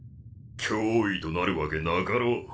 脅威となるわけなかろう